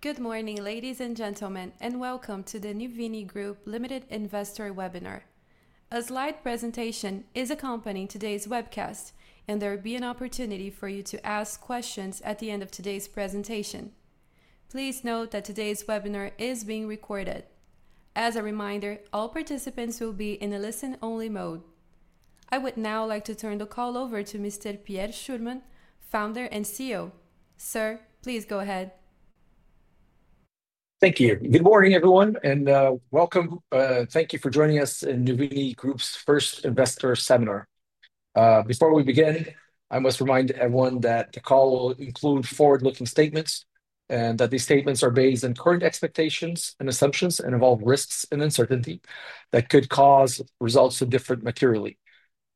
Good morning, ladies and gentlemen, and welcome to the Nuvini Group Limited Investor webinar. A slide presentation is accompanying today's webcast, and there will be an opportunity for you to ask questions at the end of today's presentation. Please note that today's webinar is being recorded. As a reminder, all participants will be in a listen-only mode. I would now like to turn the call over to Mr. Pierre Schurmann, Founder and CEO. Sir, please go ahead. Thank you. Good morning, everyone, and welcome. Thank you for joining us in Nuvini Group's first investor seminar. Before we begin, I must remind everyone that the call will include forward-looking statements and that these statements are based on current expectations and assumptions and involve risks and uncertainty that could cause results to differ materially.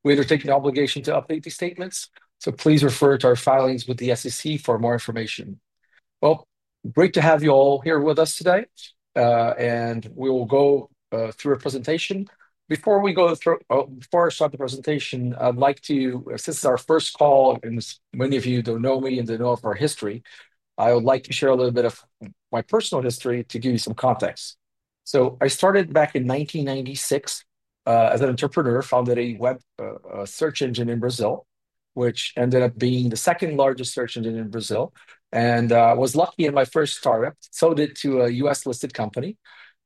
We undertake the obligation to update these statements, so please refer to our filings with the SEC for more information. Great to have you all here with us today, and we will go through a presentation. Before I start the presentation, I'd like to, since this is our first call and many of you don't know me and they know of our history, I would like to share a little bit of my personal history to give you some context. I started back in 1996 as an entrepreneur, founded a web search engine in Brazil, which ended up being the second largest search engine in Brazil, and I was lucky in my first startup, sold it to a U.S.-listed company,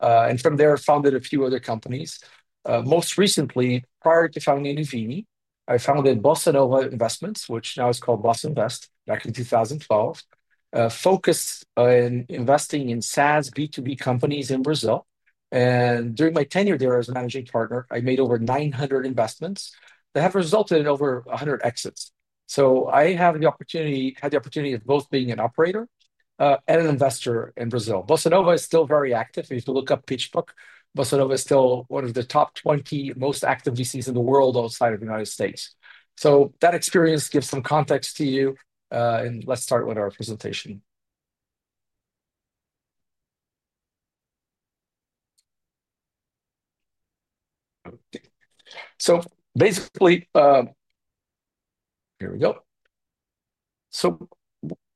and from there founded a few other companies. Most recently, prior to founding Nuvini, I founded Bossa Nova Investments, which now is called Bossa Invest, back in 2012, focused on investing in SaaS B2B companies in Brazil. During my tenure there as a managing partner, I made over 900 investments that have resulted in over 100 exits. I have the opportunity, had the opportunity of both being an operator and an investor in Brazil. Bossa Nova is still very active. If you look up Pitchbook, Bossa Nova is still one of the top 20 most active VCs in the world outside of the United States. That experience gives some context to you, and let's start with our presentation. Basically, here we go.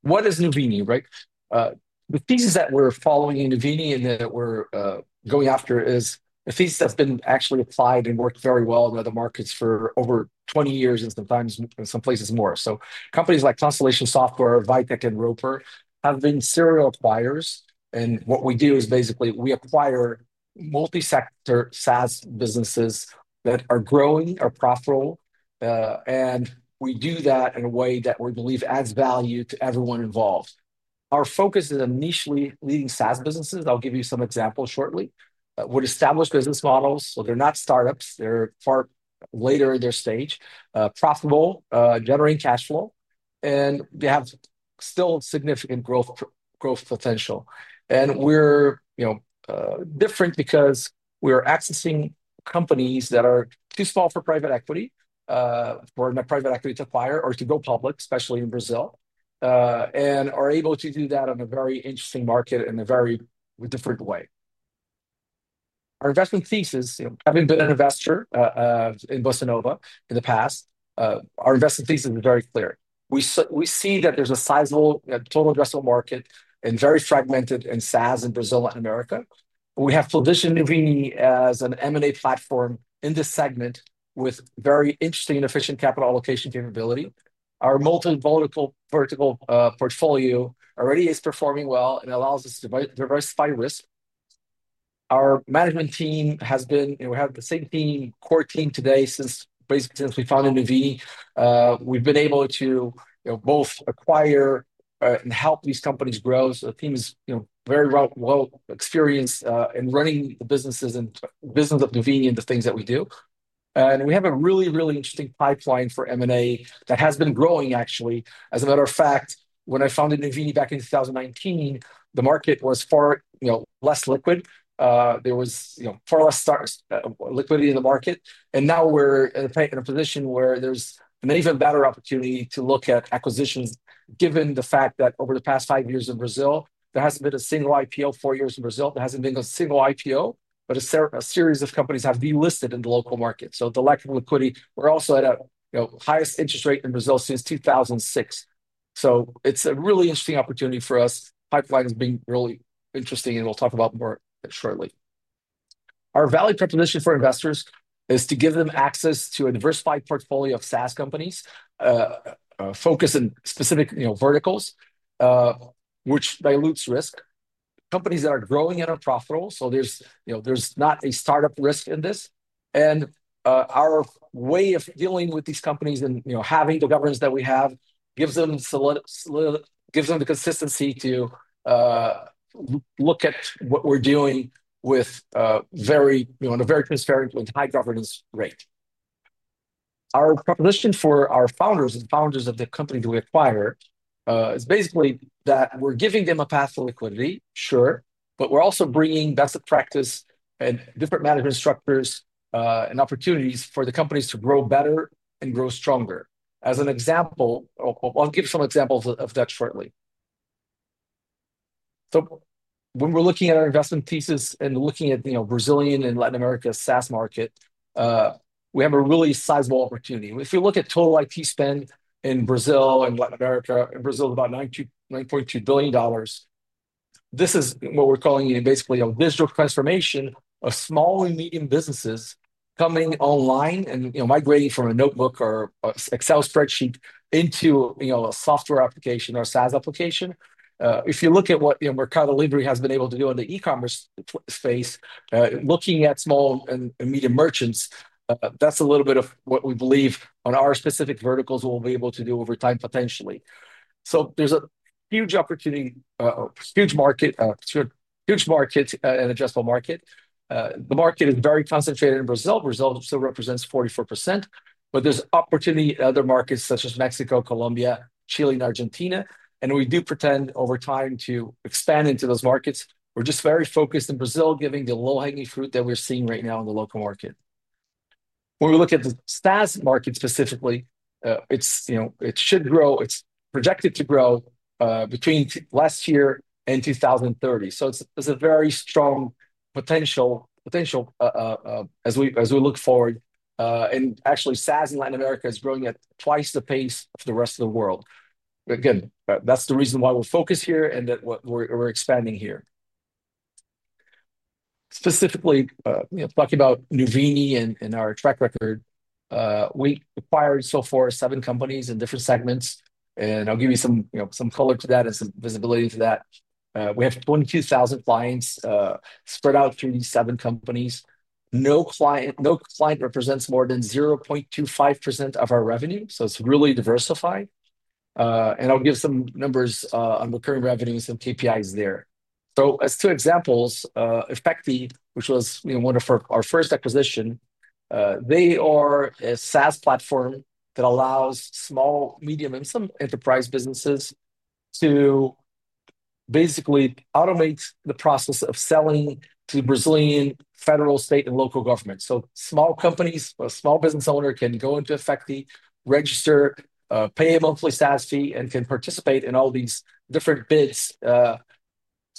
What is Nuvini, right? The thesis that we're following in Nuvini and that we're going after is a thesis that's been actually applied and worked very well in other markets for over 20 years and sometimes in some places more. Companies like Constellation Software, Vitech, and Roper have been serial acquirers, and what we do is basically we acquire multi-sector SaaS businesses that are growing, are profitable, and we do that in a way that we believe adds value to everyone involved. Our focus is initially leading SaaS businesses. I'll give you some examples shortly. We're established business models, so they're not startups. They're far later in their stage, profitable, generating cash flow, and they have still significant growth potential. We're different because we're accessing companies that are too small for private equity to acquire or to go public, especially in Brazil, and are able to do that on a very interesting market in a very different way. Our investment thesis, having been an investor in Bossa Invest in the past, our investment thesis is very clear. We see that there's a sizable total addressable market and very fragmented in SaaS in Brazil and Latin America. We have positioned Nuvini as an M&A platform in this segment with very interesting and efficient capital allocation capability. Our multi-vertical portfolio already is performing well and allows us to diversify risk. Our management team has been, we have the same core team today basically since we founded Nuvini. We've been able to both acquire and help these companies grow. The team is very well experienced in running the businesses and business of Nuvini and the things that we do. We have a really, really interesting pipeline for M&A that has been growing, actually. As a matter of fact, when I founded Nuvini back in 2019, the market was far less liquid. There was far less liquidity in the market. Now we're in a position where there's an even better opportunity to look at acquisitions, given the fact that over the past 5 years in Brazil, there hasn't been a single IPO, 4 years in Brazil, there hasn't been a single IPO, but a series of companies have delisted in the local market. The lack of liquidity, we're also at a highest interest rate in Brazil since 2006. It's a really interesting opportunity for us. Pipeline has been really interesting, and we'll talk about more shortly. Our value proposition for investors is to give them access to a diversified portfolio of SaaS companies, focused on specific verticals, which dilutes risk. Companies that are growing and are profitable, so there's not a startup risk in this. Our way of dealing with these companies and having the governance that we have gives them the consistency to look at what we're doing with a very transparent and high governance rate. Our proposition for our founders and founders of the company that we acquire is basically that we're giving them a path to liquidity, sure, but we're also bringing best practice and different management structures and opportunities for the companies to grow better and grow stronger. As an example, I'll give some examples of that shortly. When we're looking at our investment thesis and looking at Brazilian and Latin America SaaS market, we have a really sizable opportunity. If you look at total IT spend in Brazil and Latin America, in Brazil it is about $9.2 billion. This is what we're calling basically a digital transformation of small and medium businesses coming online and migrating from a notebook or Excel spreadsheet into a software application or a SaaS application. If you look at what Mercado Libre has been able to do in the e-commerce space, looking at small and medium merchants, that's a little bit of what we believe on our specific verticals we'll be able to do over time potentially. There's a huge opportunity, huge market, huge market and adjustable market. The market is very concentrated in Brazil. Brazil still represents 44%, but there's opportunity in other markets such as Mexico, Colombia, Chile, and Argentina. We do pretend over time to expand into those markets. We're just very focused in Brazil, given the low-hanging fruit that we're seeing right now in the local market. When we look at the SaaS market specifically, it should grow, it's projected to grow between last year and 2030. There is a very strong potential as we look forward. Actually, SaaS in Latin America is growing at twice the pace of the rest of the world. That is the reason why we're focused here and that we're expanding here. Specifically, talking about Nuvini and our track record, we acquired so far 7 companies in different segments, and I'll give you some color to that and some visibility to that. We have 22,000 clients spread out through these 7 companies. No client represents more than 0.25% of our revenue, so it's really diversified. I'll give some numbers on recurring revenues and KPIs there. As 2 examples, Efective, which was one of our first acquisitions, they are a SaaS platform that allows small, medium, and some enterprise businesses to basically automate the process of selling to Brazilian federal, state, and local governments. Small companies, a small business owner can go into Efective, register, pay a monthly SaaS fee, and can participate in all these different bids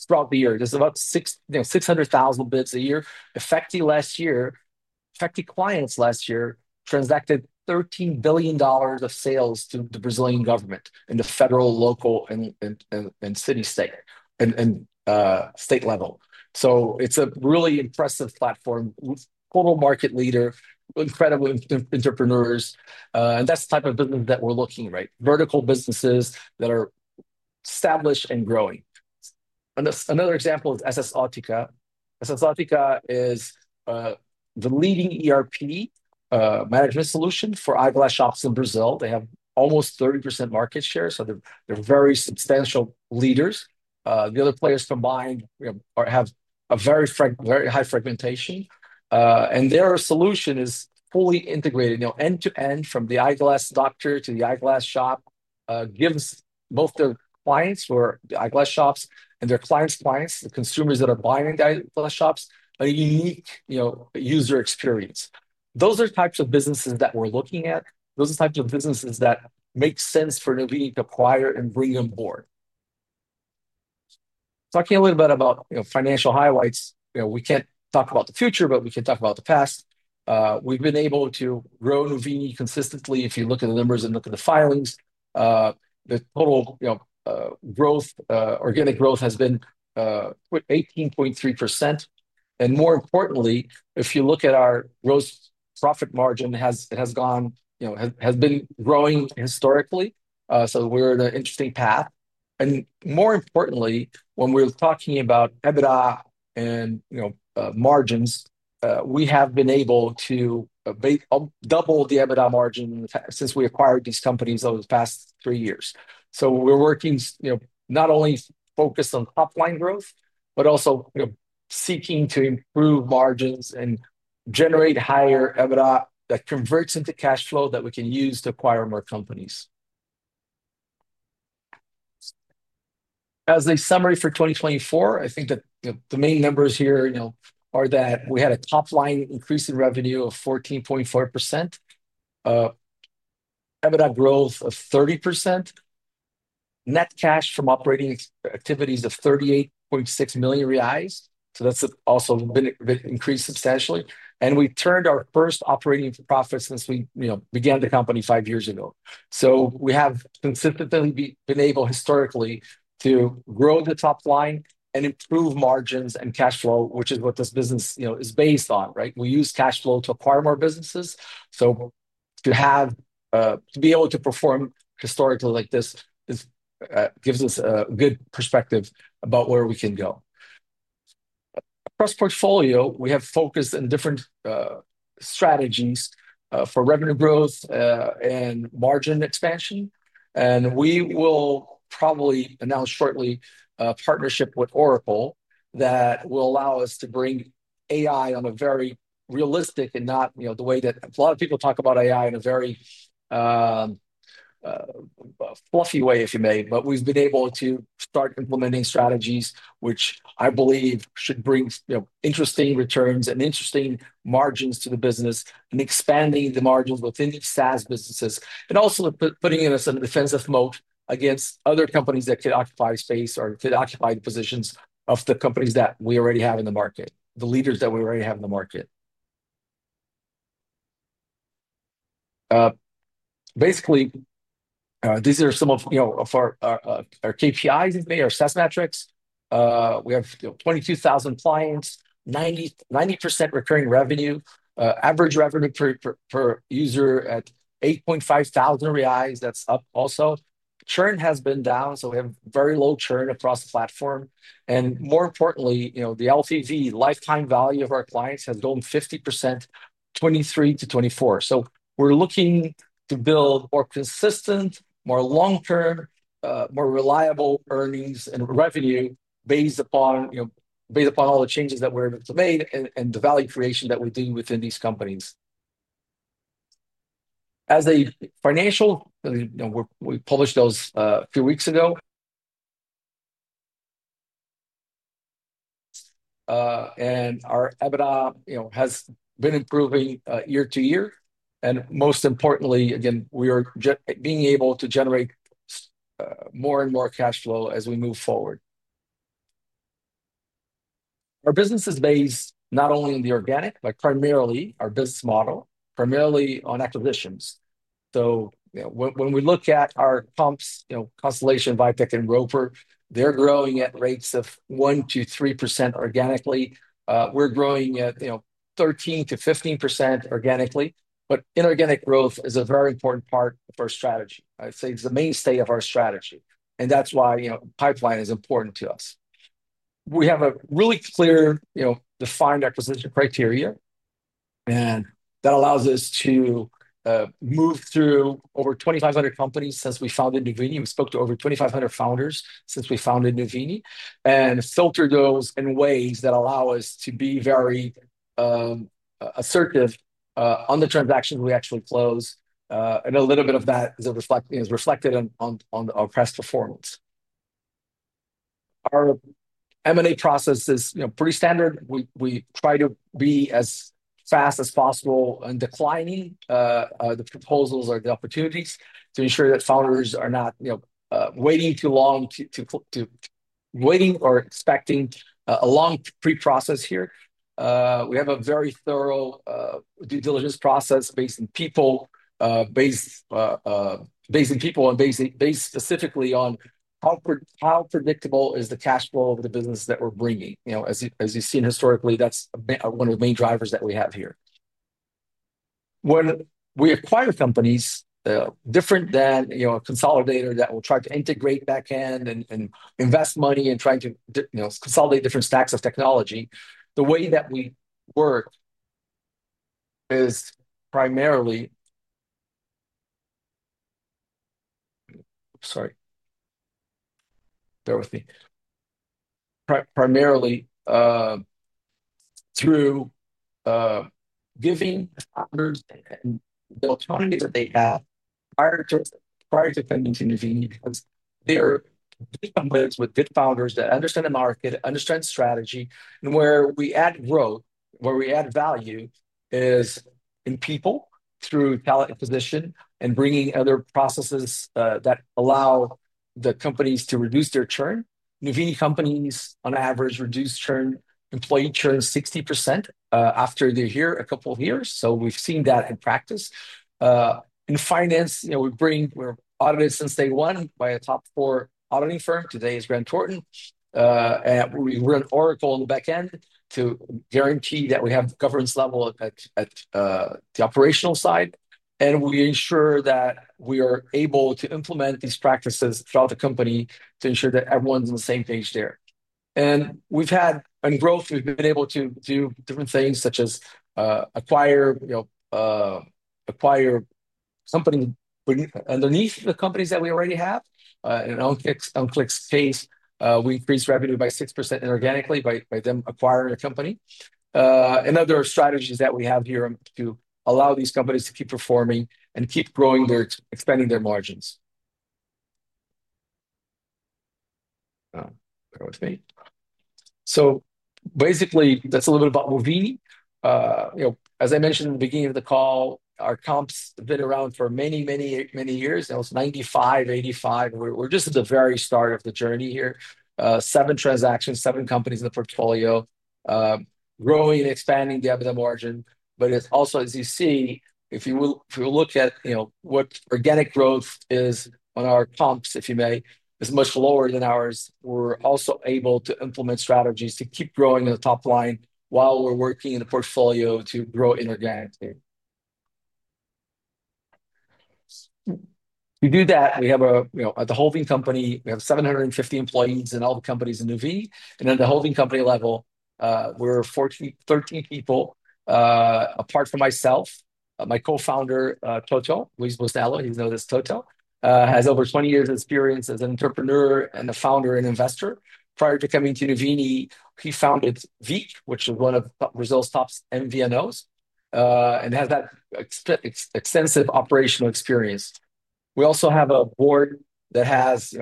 throughout the year. There are about 600,000 bids a year. Efective clients last year transacted $13 billion of sales to the Brazilian government in the federal, local, city, and state level. It's a really impressive platform, total market leader, incredible entrepreneurs. That's the type of business that we're looking for, right? Vertical businesses that are established and growing. Another example is SSOtica. SSOtica is the leading ERP management solution for eyeglass shops in Brazil. They have almost 30% market share, so they're very substantial leaders. The other players combined have a very high fragmentation. Their solution is fully integrated, end-to-end, from the eyeglass doctor to the eyeglass shop, gives both their clients, who are eyeglass shops, and their clients' clients, the consumers that are buying the eyeglass shops, a unique user experience. Those are the types of businesses that we're looking at. Those are the types of businesses that make sense for Nvni to acquire and bring on board. Talking a little bit about financial highlights, we can't talk about the future, but we can talk about the past. We've been able to grow Nvni consistently. If you look at the numbers and look at the filings, the total organic growth has been 18.3%. More importantly, if you look at our gross profit margin, it has been growing historically. We are in an interesting path. More importantly, when we are talking about EBITDA and margins, we have been able to double the EBITDA margin since we acquired these companies over the past three years. We are working not only focused on top-line growth, but also seeking to improve margins and generate higher EBITDA that converts into cash flow that we can use to acquire more companies. As a summary for 2024, I think that the main numbers here are that we had a top-line increase in revenue of 14.4%, EBITDA growth of 30%, net cash from operating activities of 38.6 million reais. That has also been increased substantially. We turned our first operating profit since we began the company 5 years ago. We have consistently been able historically to grow the top line and improve margins and cash flow, which is what this business is based on, right? We use cash flow to acquire more businesses. To be able to perform historically like this gives us a good perspective about where we can go. Across portfolio, we have focused on different strategies for revenue growth and margin expansion. We will probably announce shortly a partnership with Oracle that will allow us to bring AI on a very realistic and not the way that a lot of people talk about AI in a very fluffy way, if you may. We have been able to start implementing strategies, which I believe should bring interesting returns and interesting margins to the business and expanding the margins within these SaaS businesses. Also putting us in a defensive mode against other companies that could occupy space or could occupy the positions of the companies that we already have in the market, the leaders that we already have in the market. Basically, these are some of our KPIs, if you may, our SaaS metrics. We have 22,000 clients, 90% recurring revenue, average revenue per user at 8,500 reais. That is up also. Churn has been down, so we have very low churn across the platform. More importantly, the LTV, lifetime value of our clients, has grown 50%, 2023 to 2024. We are looking to build more consistent, more long-term, more reliable earnings and revenue based upon all the changes that we are able to make and the value creation that we do within these companies. As a financial, we published those a few weeks ago. Our EBITDA has been improving year to year. Most importantly, again, we are being able to generate more and more cash flow as we move forward. Our business is based not only on the organic, but primarily our business model, primarily on acquisitions. When we look at our comps, Constellation, Vitech, and Roper, they are growing at rates of 1-3% organically. We are growing at 13-15% organically. Inorganic growth is a very important part of our strategy. I would say it is the mainstay of our strategy. That is why pipeline is important to us. We have a really clear, defined acquisition criteria. That allows us to move through over 2,500 companies since we founded Nuvini. We spoke to over 2,500 founders since we founded Nuvini and filter those in ways that allow us to be very assertive on the transactions we actually close. A little bit of that is reflected on our past performance. Our M&A process is pretty standard. We try to be as fast as possible in declining the proposals or the opportunities to ensure that founders are not waiting too long, waiting or expecting a long pre-process here. We have a very thorough due diligence process based on people and based specifically on how predictable is the cash flow of the business that we're bringing. As you've seen historically, that's one of the main drivers that we have here. When we acquire companies, different than a consolidator that will try to integrate back end and invest money and try to consolidate different stacks of technology, the way that we work is primarily—sorry, bear with me—primarily through giving founders the opportunity that they have prior to coming to Nuvini. There are good companies with good founders that understand the market, understand strategy. Where we add growth, where we add value, is in people through talent acquisition and bringing other processes that allow the companies to reduce their churn. Nuvini companies, on average, reduce churn, employee churn 60% after they're here a couple of years. We have seen that in practice. In finance, we are audited since day one by a top 4 auditing firm. Today it is Grant Thornton. We run Oracle on the back end to guarantee that we have governance level at the operational side. We ensure that we are able to implement these practices throughout the company to ensure that everyone's on the same page there. We have had growth. We have been able to do different things such as acquire company underneath the companies that we already have. In Enclix's case, we increased revenue by 6% inorganically by them acquiring a company. Other strategies that we have here allow these companies to keep performing and keep growing their, expanding their margins. Bear with me. Basically, that's a little bit about Nvni. As I mentioned in the beginning of the call, our comps have been around for many, many, many years. That was 1995, 1985. We're just at the very start of the journey here. 7 transactions, 7 companies in the portfolio, growing, expanding the EBITDA margin. As you see, if you look at what organic growth is on our comps, if you may, it's much lower than ours. We're also able to implement strategies to keep growing the top line while we're working in the portfolio to grow inorganically. To do that, we have, at the holding company, we have 750 employees in all the companies in Nuvini. At the holding company level, we're 13 people. Apart from myself, my co-founder, Toto, Luis Bosello, you know this Toto, has over 20 years of experience as an entrepreneur and a founder and investor. Prior to coming to Nuvini, he founded Veek, which is one of Brazil's top MVNOs, and has that extensive operational experience. We also have a board that has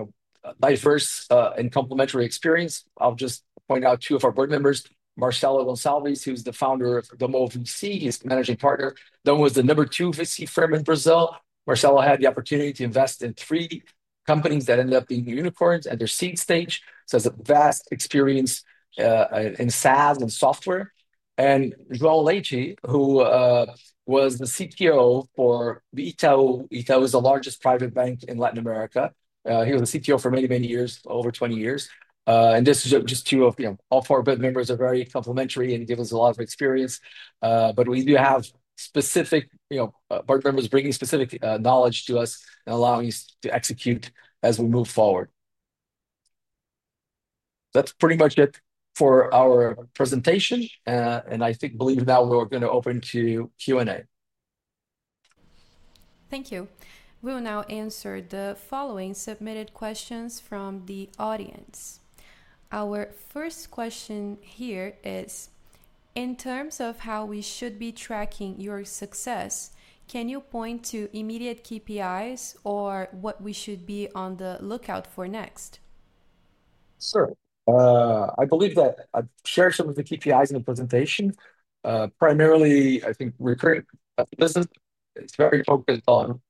diverse and complementary experience. I'll just point out 2 of our board members, Marcelo Gonçalves, who's the founder of Domo Invest, his managing partner. Domo was the number 2 VC firm in Brazil. Marcelo had the opportunity to invest in three companies that ended up being unicorns at their seed stage. He has a vast experience in SaaS and software. João Leite, who was the CTO for Itaú, Itaú is the largest private bank in Latin America. He was a CTO for many, many years, over 20 years. This is just 2 of all 4 board members who are very complementary and give us a lot of experience. We do have specific board members bringing specific knowledge to us and allowing us to execute as we move forward. That's pretty much it for our presentation. I believe now we're going to open to Q&A. Thank you. We will now answer the following submitted questions from the audience. Our first question here is, in terms of how we should be tracking your success, can you point to immediate KPIs or what we should be on the lookout for next? Sure. I believe that I've shared some of the KPIs in the presentation. Primarily, I think recurring business is very focused on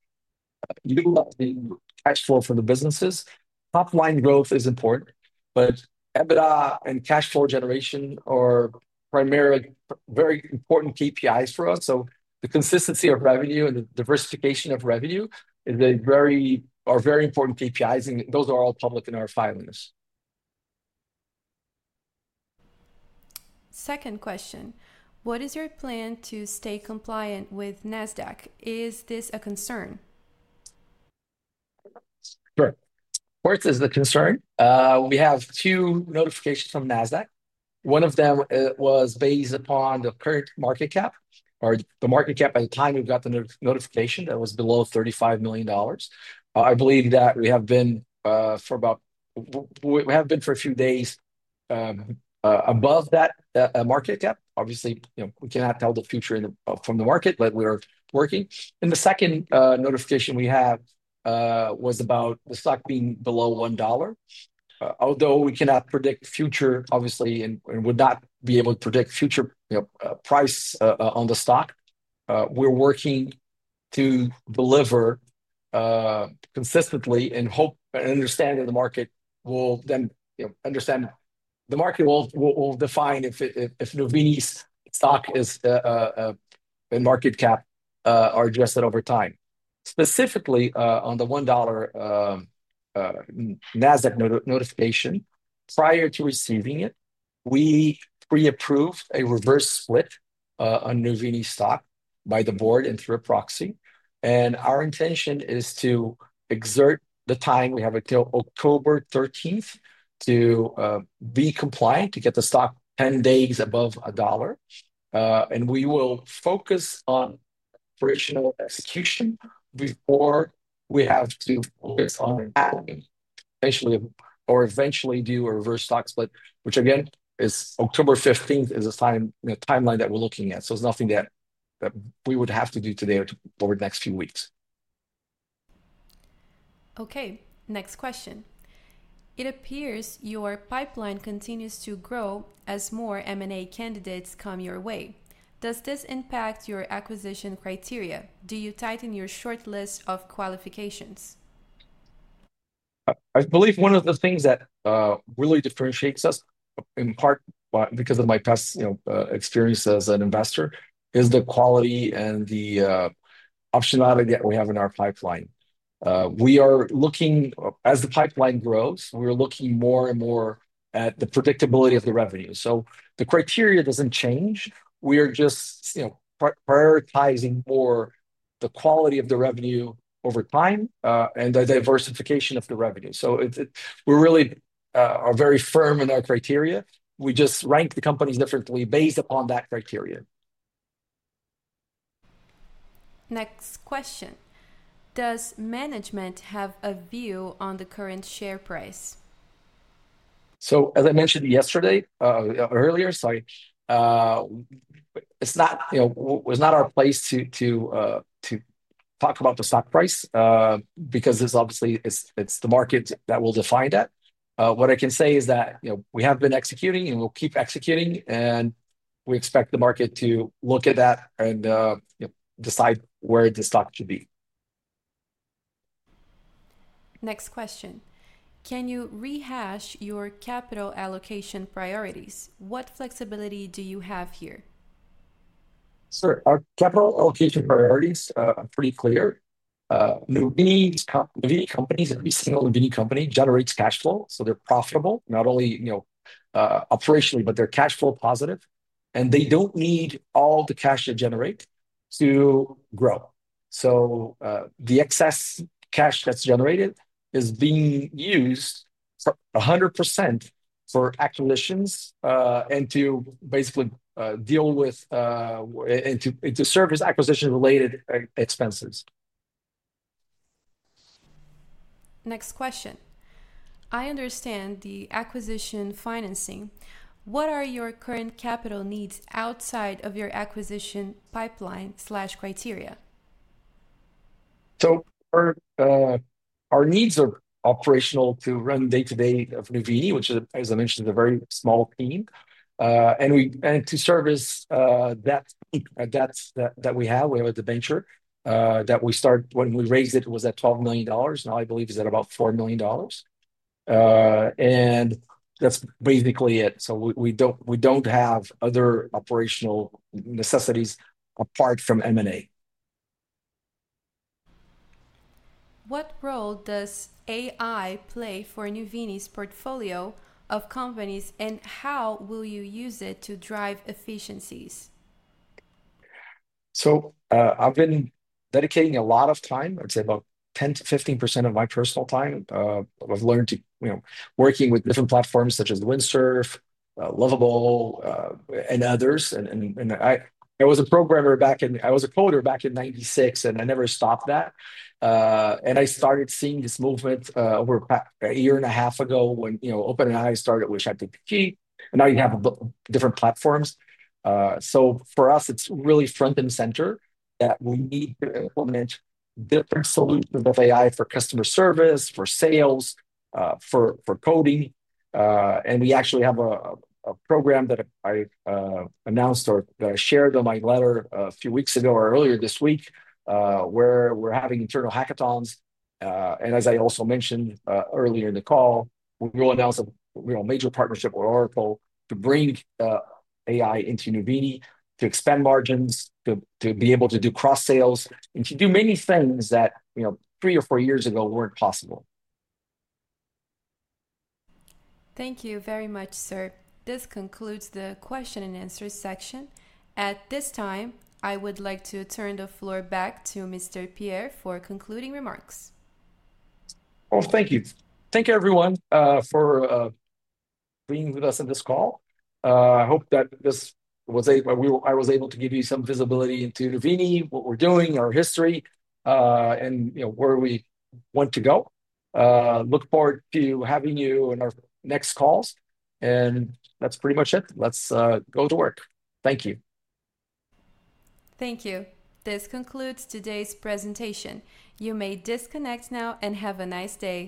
utilizing cash flow for the businesses. Top-line growth is important, but EBITDA and cash flow generation are primarily very important KPIs for us. The consistency of revenue and the diversification of revenue are very important KPIs. Those are all public in our filings. Second question, what is your plan to stay compliant with NASDAQ? Is this a concern? Sure. Of course, it is a concern. We have 2 notifications from NASDAQ. One of them was based upon the current market cap, or the market cap at the time we got the notification that was below $35 million. I believe that we have been for about, we have been for a few days above that market cap. Obviously, we cannot tell the future from the market, but we are working. The second notification we have was about the stock being below $1. Although we cannot predict future, obviously, and would not be able to predict future price on the stock, we are working to deliver consistently and hope and understand that the market will then understand the market will define if Nvni's stock and market cap are adjusted over time. Specifically, on the $1 NASDAQ notification, prior to receiving it, we pre-approved a reverse split on Nvni's stock by the board and through a proxy. Our intention is to exert the time we have until October 13 to be compliant to get the stock 10 days above $1. We will focus on operational execution before we have to focus on actually or eventually do a reverse stock split, which again, is October 15 is the timeline that we are looking at. It is nothing that we would have to do today or over the next few weeks. Okay. Next question. It appears your pipeline continues to grow as more M&A candidates come your way. Does this impact your acquisition criteria? Do you tighten your short list of qualifications? I believe one of the things that really differentiates us, in part because of my past experience as an investor, is the quality and the optionality that we have in our pipeline. We are looking, as the pipeline grows, we're looking more and more at the predictability of the revenue. The criteria does not change. We are just prioritizing more the quality of the revenue over time and the diversification of the revenue. We really are very firm in our criteria. We just rank the companies differently based upon that criteria. Next question. Does management have a view on the current share price? As I mentioned yesterday, earlier, sorry, it is not our place to talk about the stock price because it is obviously the market that will define that. What I can say is that we have been executing and we will keep executing. We expect the market to look at that and decide where the stock should be. Next question. Can you rehash your capital allocation priorities? What flexibility do you have here? Sure. Our capital allocation priorities are pretty clear. Nvni companies, every single Nvni company generates cash flow. They are profitable, not only operationally, but they are cash flow positive. They do not need all the cash they generate to grow. The excess cash that is generated is being used 100% for acquisitions and to basically deal with and to service acquisition-related expenses. Next question. I understand the acquisition financing. What are your current capital needs outside of your acquisition pipeline/criteria? Our needs are operational to run day-to-day of Nuvini, which, as I mentioned, is a very small team. To service that, we have a debenture that we started when we raised it, it was at $12 million. Now, I believe it is at about $4 million. That is basically it. We do not have other operational necessities apart from M&A. What role does AI play for Nuvini's portfolio of companies and how will you use it to drive efficiencies? I have been dedicating a lot of time, I would say about 10-15% of my personal time. I have learned working with different platforms such as Windsurf, Lovable, and others. I was a programmer back in, I was a coder back in 1996, and I never stopped that. I started seeing this movement over a year and a half ago when OpenAI started, which had to be key. Now you have different platforms. For us, it is really front and center that we need to implement different solutions of AI for customer service, for sales, for coding. We actually have a program that I announced or shared in my letter a few weeks ago or earlier this week where we are having internal hackathons. As I also mentioned earlier in the call, we will announce a major partnership with Oracle to bring AI into Nvni, to expand margins, to be able to do cross-sales, and to do many things that 3 or 4 years ago were not possible. Thank you very much, sir. This concludes the question and answer section. At this time, I would like to turn the floor back to Mr. Thank you. Thank you, everyone, for being with us in this call. I hope that this was I was able to give you some visibility into Nuvini, what we're doing, our history, and where we want to go. I look forward to having you in our next calls. That is pretty much it. Let's go to work. Thank you. Thank you. This concludes today's presentation. You may disconnect now and have a nice day.